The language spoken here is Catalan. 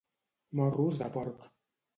Morros de porc